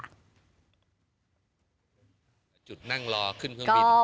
โชคจุดนั่งรอคืนเครื่องบินนะครับ